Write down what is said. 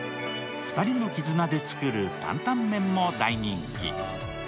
２人の絆で作る担々麺も大人気。